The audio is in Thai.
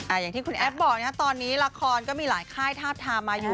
อย่างที่คุณแอฟบอกนะครับตอนนี้ละครก็มีหลายค่ายทาบทามมาอยู่